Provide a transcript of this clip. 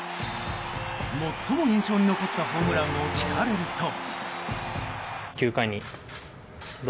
最も印象に残ったホームランを聞かれると。